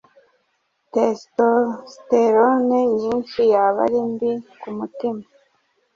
testosterone nyinshi yaba ari mbi ku mutima